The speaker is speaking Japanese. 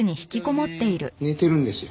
寝てるんですよ。